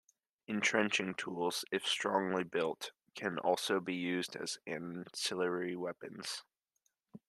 Entrenching tools, if strongly built, can also be used as ancillary weapons.